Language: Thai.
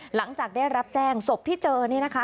หลังจากได้รับแจ้งศพที่เจอนี่นะคะ